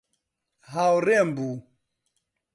هاوڕێم بوو.